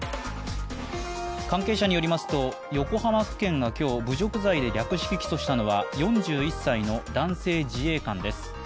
関係者によりますと横浜区検が今日侮辱罪で略式起訴したのは４１歳の男性自衛官です。